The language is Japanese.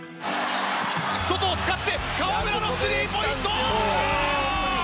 外を使って河村のスリーポイント！